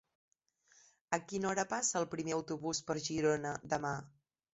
A quina hora passa el primer autobús per Girona demà?